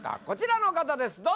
こちらの方です